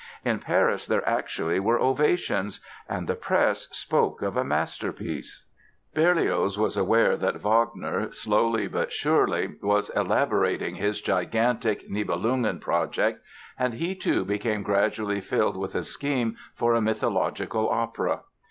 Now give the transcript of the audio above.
In Paris there actually were ovations and the press spoke of a "masterpiece"! Berlioz was aware that Wagner, slowly but surely, was elaborating his gigantic "Nibelungen" project and he, too, became gradually filled with a scheme for a mythological opera.